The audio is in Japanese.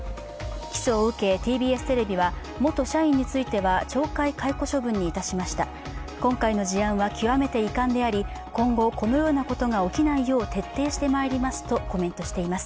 起訴を受けＴＢＳテレビは元社員については懲戒解雇処分にいたしました、今回の事案は極めて遺憾であり、今後、このようなことが起きないよう徹底してまいりますとコメントしています。